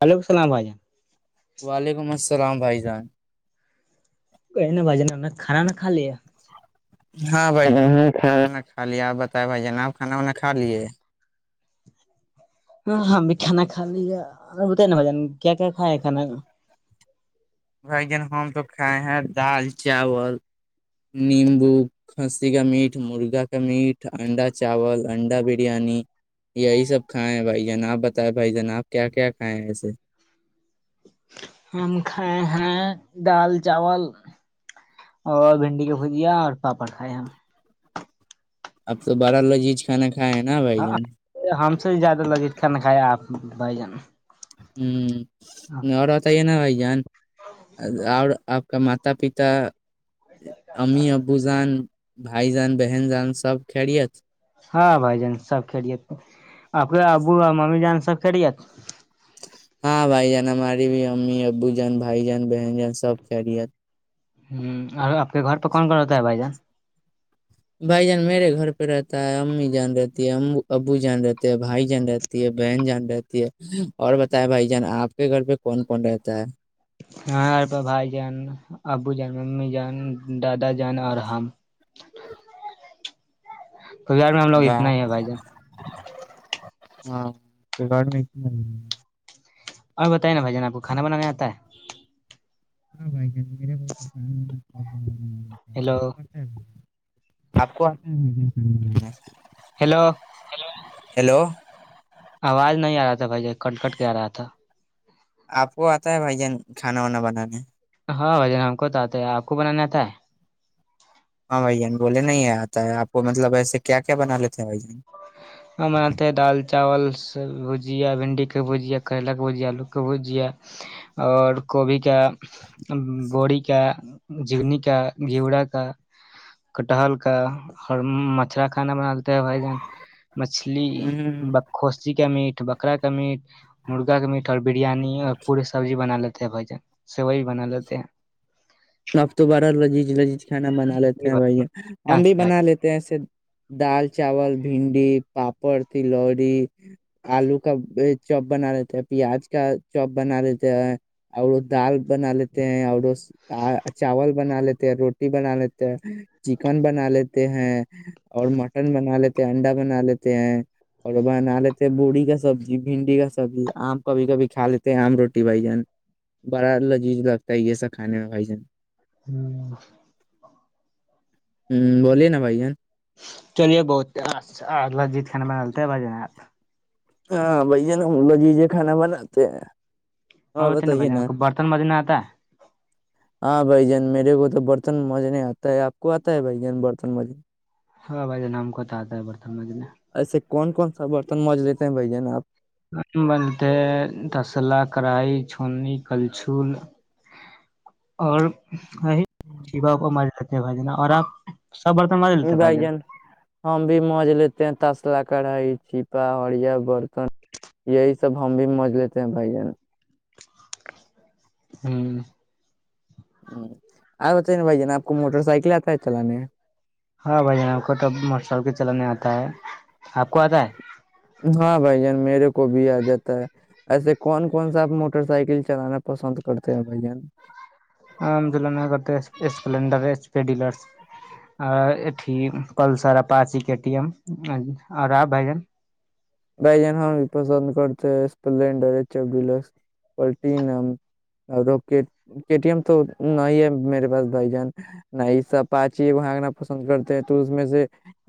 وعلیکم السلام بھائی ج وعلیکم السلام بھائی جان نہ بازی ن کانا نہ خا ل ہاں بھائی ج کھاا کھ لیا آپ بتائے بھائی جان نےا آپ کھانا وانا کھا لیے ہاں ہاں بھی کھانا کھا لی بت نا بھجن کیا کیا کھایا ہے کھانا بھائی جان ہم تو کھائے ہیں دال چاول نیمبو کسی کا میٹ مرغا کا میٹ انڈا چاول انڈا بریانی یہی سب کھائے ہیں بھائی جان آپ بتائیں بھائی جان آپ کیا کیا کھائے ہیں ایسے ہم کھائے ہیں دال چاول اور بھنڈی کا بھجیا اور پاپڑ کھائے ہم اب تو بارہ لوجیج کھانا کھا اھا ہے نا بھ جان سب سے زیادہ لذیت کان ن کایا آپ بھائی جان ہ اور بتائیے نا بھائی جان اور آپ کا ماتا پتا ام ابوزان بھائی جان بہن جان سب کھیلےت ہاں بھائی جان سب کھیڑیت آ کے ابو اور ممی جان سب کھیڑیےت ہاں بھائی جان ہماری بھی امی ابو جان بھائی جان بہن جان سب کرہ رہی ہے ہ اور آپ کے گھر پہ کون کون ہوتا ہے بھائی جان بھائی جان میرے گھر پہ رہتا ہے امی جان رہتی ہے ا ابو جان رہتے ہیں بھائی جان رہتی ہے بہن جان رہتی ہے اور بتائے بھائی جان آپ کے گھر پہ کون کون رہتا ہے ہاںار پ بھائی جان ابو جان ممی جان دادا جان اور ہم کوار میں ہم لگ اتنا واہ، ہی ہیں بھائی جان ہاں ریکارڈ اور بتے نا بھائی جان آپ کو کھانا بنانے آتا ہے ہاں بھائی جان [unintelligible] ا ہ ہیلو آپ کو ہ ہیلو ہیلو آواز نہیں آ رہا تھا بھائی ج کٹ کٹ کے آ رہا تھا آپ کو آتا ہے بھائی جان کھانا وانا بنانے ہاں بھائی ج ن ہم کوتاتے آ کوو بنا تھا ہے ہاں بھائی جان بولے نہیں آتا ہے آپ کو مطلب ایسے کیا کیا بنا لیتے ہیں بھ جان ہم بناتے ہیں دال چاول س بھجیا بھنڈی کی بھجیا کریلا کی بجیا آلو کی بھجیا اور کوبھی کے بڑی کے جگنی کا گھیوورا کا کٹہل کا اور مچھرا کھانا بنا دیتے ہے بھائی جان مچھلی ہوں بخوسی کا میٹ بکا کا میٹ مرغا کا میٹ بریانی اور پورے سبزی بناال بھائی ج سے وہی بنا لیتے ہیں نفت وبرہ لذیذ لذیذ کھانا بنا لیتے جی ہیں بھائی ہم بھی بھائی بنا لیتے ہیں ایسے دال چاول بھنڈی پاپڑ تلوڑی آلو کا چاپ بنا لیتے ہیں پیاز کا چاپ بنا لیتے ہیں اور دال بنا لیتے ہیں اور چاول بنا لیتے روٹی بنا لیتے ہیں چکن بنا لیتے ہیں اور مٹن بنا لیتے ہیں انڈا بنا لیتے ہیں اور بنا لیتے بوڑی کا سبزی بھنڈی کا سبزی آم کبھی کبھی کھا لیتے ہیں آم روٹی بھائی جان بڑا لذیذ لگتا ہے یہ سب کھانے آجن ہوں بولیے نا بھائی جان چلیے بہت لجت کھانا بنا ت بجے ن آپ ہاں بائی ج ن م لو جیز کھانا بناتے ہیں ہ اور ت ن بتائیے بج نا برتن مج نتا ہاں بھائی جان میرے کو تو برتن مج نہیں آتا ہے آپ کو آتا ہے بھائی جان برتن مجے ہاں بھ ج نم کوتا آتا بتا سمجج میں ایسے کون کون سا برتن مج لیتے ہیں بھائی جان آپ بنتے تسلا کڑھائی چھنی کلچھول اور وہ جیا م ہیں بھائی جان اور آپ سب برتن مار لیتے ہیں بھائی بائی جان ہاں بھی موج لیتے ہیں تاسلا کڑھائی چھپا ہڑیا برتن یہی سب ہم بھی موج لیتے ہیں بھائی جن ہوں ہ آپ بتائی نا بھائی جانا آپ کو موٹر سائیکل آتا ہے چلانے ہاں بھائی جان آپ کو تو موٹر سائیکل چلانے آتا ہے آپ کو آتا ہے ہاں بھائی میرے کو بھی آ جاتا ہے ایسے کون کون سا آپ موٹر سائیکل چلانا پسند کرتے ہیں بھائی جان مد کرتے اسپڈرر پلسراچن بھائی جان ہم پسند کرتے ہیں اسپلینڈرچف ڈی اور م تو نہ ہی ہے میرے پاس بھائی جان ن ای سا پاچی ہانکنا پسند کرتے ہیں تو اس میں سے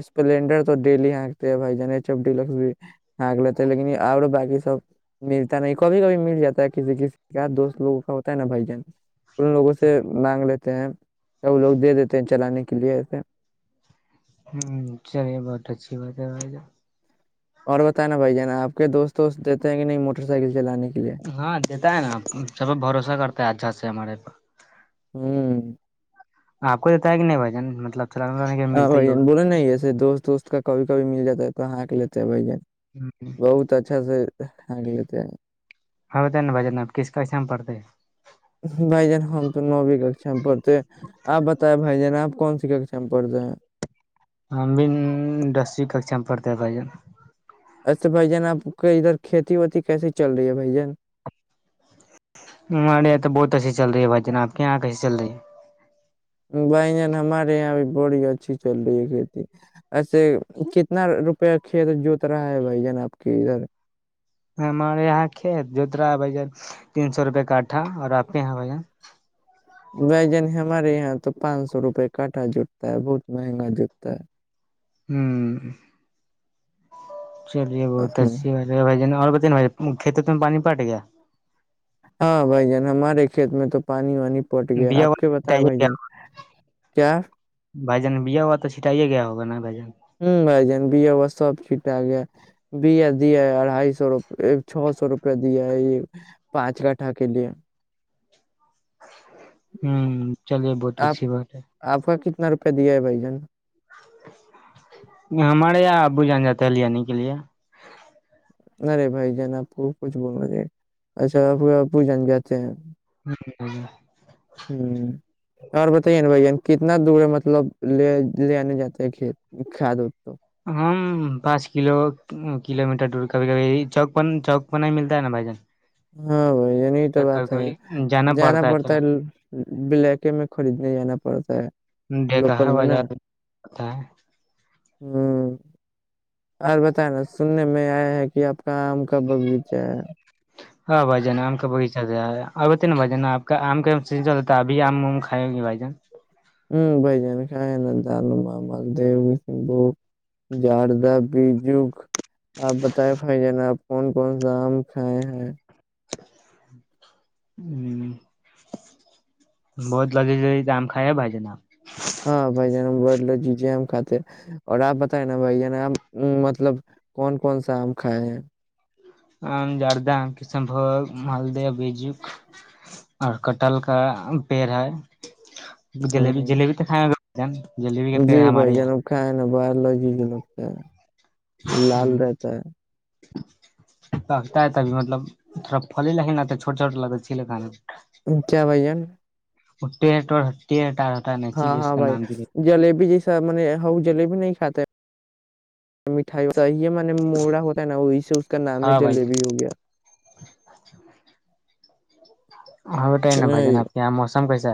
اسپلینڈر تو ڈیلی ہکتے ہیں بھائی جان ایچ ایف ڈیس بھی ہگ لیتے ہے لیکن اور باقی سب ملتا نہیں کبھی کبھی مل جاتا ہے کسی کسی کا دوست لوگوں کا ہوتا ہے نا بھائی جان ان لوگوں سے مانگ لیتے ہیں تو وہ لوگ دے دیتے ہیں چلانے کے لیے ہ چلیے بہت اچھی بات ہے بھائی اور بت نا بھائی ج نا آپ کے دوست توست دیتے ہیں کہ نہیں موٹر سائیکل چلانے کے لیے ہاں دیتا ہے نا سب بھروسہ کرتا ہے اچھات سے ہمارے پاس ہوں آپ کو دیتا ہے کہ نہیں بھ جان مطلب چلانے ولانے کے ہاں ملتا ہی بھائی جان ہوگا بولے نا ایسے دوست وست کا کبھی کبھی مل جاتا ہے کہاں کے لیےتے بھای جن بہت اچھا سے ہ لے [unintelligible] ہاں بھا جان اب کس کیسے میں پڑتے ہیں بھائی جان ہم تو نوویں ککھا میں پڑھتے آپ بتیں بھائی جان آپ کون سی ککسا میں پڑھتے ہیں ہم بھی دسویں کھکسا میں پڑھتا بھائیے ایسے بھ جان آپ کے ادھر کھیتی وتی کیسی چل رہی ہے بھ جان ہمارے یہاں تو بہت ایسی چل رہی ہے بھائی جان آپ کے یہاں کیسیے چل رہی ہےکہ بھائی جن ہمارے یہاں بھی بڑی اچھی چل رہی ہے کھیتی ایسے کتنا روپیہ کھیت جوت رہا ہے بھائی جان آپ کے ادھر ہمارے یہاں کھیت جوترا ہے بھا جن تین سو روپے کاٹھا اور آپ کے یہاں بھ بھائی جانی ہمارے یہاں تو پانچ سو روپے کاٹا جٹتا ہے بہت مہنگا جٹتا ہے ہوں چلیے بہت ہے اچھی بھجن اور بتا یے بھجن کھیت میں پانی پٹے گیا ہاں بھائی جان ہمارے کھیت میں تو پانی وانی پٹ گیا بیا آپ ہوا کے بتایا چھٹائیے بھائی گیا جن کیا بھائی جان بیا ہوا تو چھٹائیے گیا ہوگ نا بھائی جان ہوں بھائی جان بیا ب سب ٹھیک ٹھاک ہے بیا دیا ہے اڑھائی سو روپ چھو سو روپیہ دیا ہے یہ پانچ کٹھا کے لیے ہوں چلیے بت آپ سی بات بے آپ کا کتنا روپے دیے ہے بائی جن ہمارے یہاں ابو جان جاتے ہے لنے کے لیے نہیںرے بھائی جان آپ کو کچھ بولنا اچھا آپ پو جن جاتے ہیں ہ اور بتائیے نا بھائی جن کت اتنا دور ہے مطلب لے لے آنے جاتے ہے کھیت کھاد ہو تو ہم پانچ کلو کلو میٹر دور کبھی کبھی چوک چوک پ نہیں ملتا ہے نا بھائی جان ہاں بھائی یہ نہیں تو بات ہے جانا پڑتا ہے بلیک میں خریدنے جانا پڑتا ہے لوکل بےکہار میں نا بازار پڑتا ہے ہوں اور بتا نا سننے میں آیا ہے کہ آپ کا آم کا بغیچہ ہے ہاں بھائی جان آم کا بغیچہتے نا بھا جن آپ کام کاتا ابھی آمم کھائے گی بھائیان ہوں بھ جان کھائے نا دال مالدوبو جاردہ بیجو آپ بتائ بھائی جان آپ کون کون سا آم کھائے ہیں ہ بہت لازآم کھا ے بھائی جن جناب ہاں بھ جان بول لو جیجے آ ہم کھاتے اور آپ بتیں نا بھائی جان آ مطلب کون کون سا آم کھائے ہیں زردہ کشنھگ مالدہ بیجک اور کٹل کا پیڑ ہے جلیبی ہوں جلیبی تو خائیں گا ج جی بھائی جنب کیں باولوجی کے لگتا ہے لال رہتا ہے پتا ہے تبھی مطلب تھوڑاھل لگے نا چھوٹا چھوٹا لگتا چھیے کا کیا بھان اٹٹو ہتیٹ ہاں ہاں بھائی جلیبی جی م ہ جلیبی نہیں کاتاے مٹھائی صی م مڑا ہوتا ہے نا وہی سے کا نام ہے ہاں بھائی جلیبی جان ہو گیا [unintelligible] ہاں کہ ا بجن آ نہیں کے م ک کم پیسہ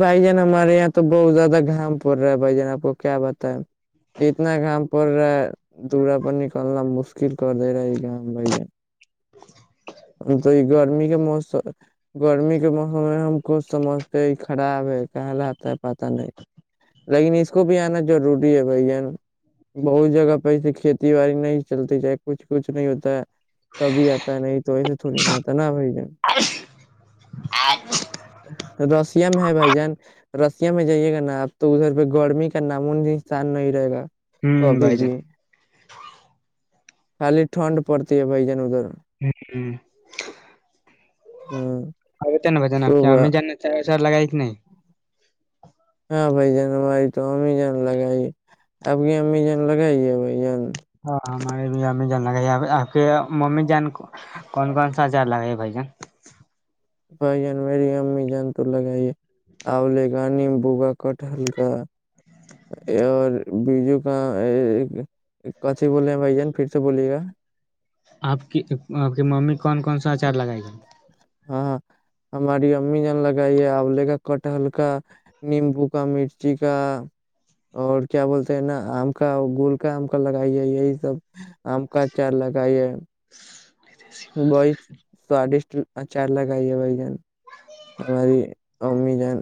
بھائی جان ہمارے یہاں تو بہت زیادہ گھام پ رہا ہے بھائی جان آپ کو کیا بت ہے اتنا گام پ رہا ہے دورا پر نکلنا مشکل کر دے رہا ہے یہ گ بھائی جان ہم تو یہ گرمی کے موسم گرمی کے موسم میں ہم ک سمجھتے ہیں خراب ہے کہلاتا ہے پا نہیں لیکن اس کو بھی آنا ضروری ہے بھائی یہین بہت جگہ پہ ایے کھیتی باڑی نہیں چلتی ج کچھ کچھ نہیں ہوتا ہے تبھی آتا ہے نہیں تو ایسے تھوڑی نہ آتا نا بھائی جان رسیا میں ہے بھائی جان رشیا میں جائیے گا نا آپ تو ادھر پہ گرمی کا نامن انسان نہیں رہے گا ہے ہوں کبھی بھائی جان بھی خالی ٹھنڈ پڑتی ہے بھائی جن ادھر ہوں ہاں ا ت ن بچن آپ تو کہ ج سر لگاائیک نہیں ائی تو امیزان لگائی آپ کی امیزان لگائیے بھائی جان ہاں ہمارے بھی امی جان لگائی آپ کے ممی جان کون کون سا اچار لگائے گ بھائی جان بھائی جان میری امی جان تو لگائیے آوولے کاا نیمبو کا کٹہل کاا اور بیجو کا کسی بولے ہیں بھائی جان پھر سے بولیے گا آپ کی آپ کے مامی کون کون سا اچار لگائے گا ہاں ہاں ہماری امی نے لگائی ہے اور لے کاا کٹہل کا نیمبو کا مرچی کا اور کیا بولتے ہیں نا آم کا گول کا آم کا لگائیے یہی سب آم کا چار لگائیے بت سوادشٹ اچار لگائی ہے بھائی جان ہماری امی جان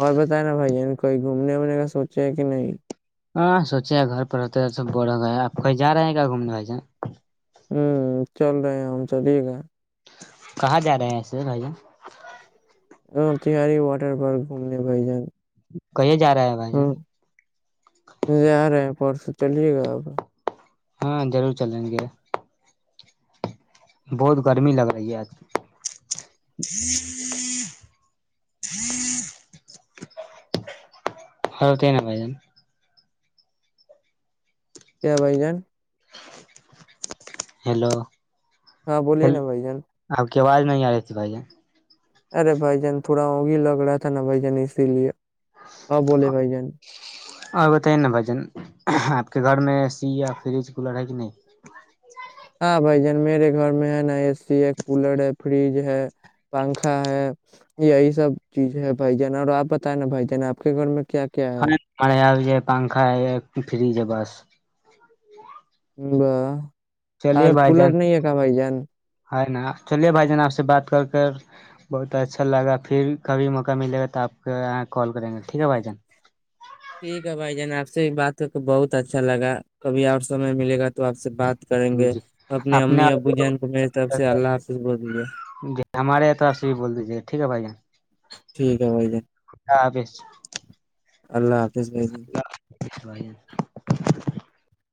اور بتائے نا بھائیین کوئی گھومنے ونے کا سوچے ہے کہ نہیں ہاں سوچے گھر پر ہوتے سب بڑ ہو گا آپ کویں جا رہے ہیں گا گھومنے وس ہوں چل رہے ہیں ہم چلیے گا کہاں جا رہے ہیں ایسے بھیا ہاں تہاری واٹر پارک گھومنے بھائی جان ہ ہوں ی رہے ہے اور سے چلیے گا آب ہاں ضرور چلیں گے بہت گرمی لگ رہی ہے آج ہ تین بائی جان کیا بھائی جان ہیلو ہاں بولیے نا بھائی جان کہ آواز نہیں آ رہی تھی بھائی ارے بھائی جان تھوڑا وہگ ہی لگ رہا تھا نا بھائی جان اسی لیے ہاں ب بھائی جان اور بتائیے نا بھجن آپ کے گھر میں اے سی یا فریج کولر ہے کہ نہیں ہاں بھائی جان میرے گھر میں ہے نا اے سی ہے کولر ہے فریج ہے پنکھا ہے یہی سب چیز ہے بھ جان اور آپ بتائیں نا بھائی جان آپ کے گھر میں کیا کیا ہے ہاں ہمے آ جائے پنکھا ہے ایک فری ج بس ہ ب چلیے اور بھائی کولر جان نہیں اکا بائی جان ہے نا چلیے بھائی جان آپ سے بات کر کر بہت اچھا لگا پھر کبھی موقع ملے گا تو آپ کے یہاں کال کریں گے ٹھیک ہے بھائی جان ٹھیک ہے بھائی جناب سے سے بات کر کے بہت اچھا لگا کبھی اور سمے ملے گا تو آپ سے بات کریں گے جی اپنی اپنے امی ابو جین کو میری طرف سے اللہ حافظ بول گے ٹھ ہے بھ جی ٹھیک ہے بھائی جان [unintelligible] اللہ حافظ جس ب گ [unintelligible]